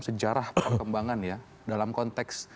sejarah perkembangan ya dalam konteks